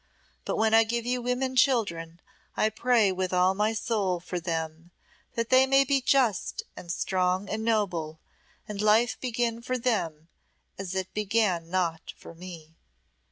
But when I give you women children, I shall pray with all my soul for them that they may be just and strong and noble, and life begin for them as it began not for me."